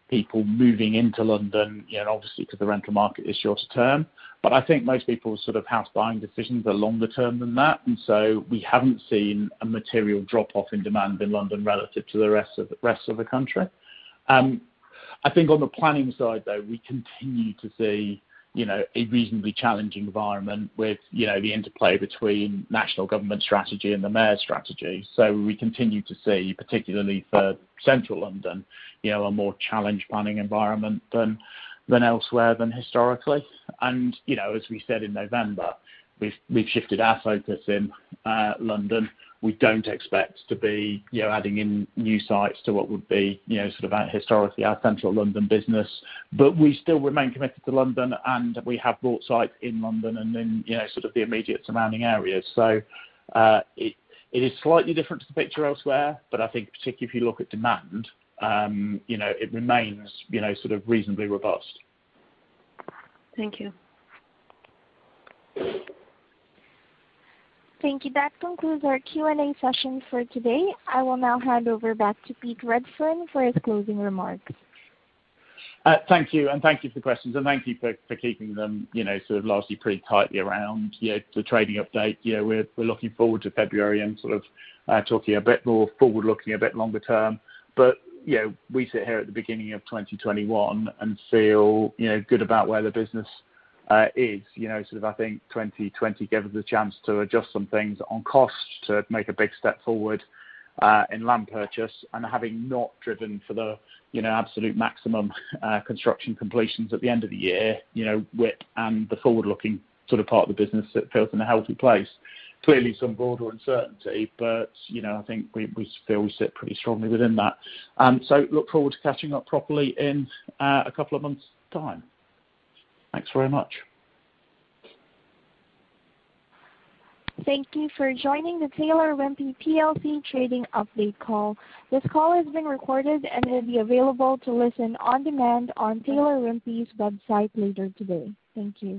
people moving into London, obviously because the rental market is short-term. I think most people's house buying decisions are longer term than that, and so we haven't seen a material drop-off in demand in London relative to the rest of the country. I think on the planning side, though, we continue to see a reasonably challenging environment with the interplay between national government strategy and the mayor's strategy. We continue to see, particularly for central London, a more challenged planning environment than elsewhere than historically. As we said in November, we've shifted our focus in London. We don't expect to be adding in new sites to what would be historically our central London business. We still remain committed to London, and we have bought sites in London and in the immediate surrounding areas. It is slightly different to the picture elsewhere, but I think particularly if you look at demand, it remains reasonably robust. Thank you. Thank you. That concludes our Q&A session for today. I will now hand over back to Pete Redfern for his closing remarks. Thank you, and thank you for the questions. Thank you for keeping them largely pretty tightly around the trading update. We're looking forward to February and talking a bit more forward-looking, a bit longer term. We sit here at the beginning of 2021 and feel good about where the business is. I think 2020 gave us a chance to adjust some things on cost to make a big step forward in land purchase and having not driven for the absolute maximum construction completions at the end of the year WIP and the forward-looking part of the business, it feels in a healthy place. Clearly, some broader uncertainty, but I think we feel we sit pretty strongly within that. Look forward to catching up properly in a couple of months' time. Thanks very much. Thank you for joining the Taylor Wimpey PLC trading update call. This call is being recorded and will be available to listen on demand on Taylor Wimpey's website later today. Thank you.